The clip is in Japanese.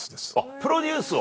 プロデュースを。